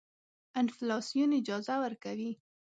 انفلاسیون اجازه ورکوي.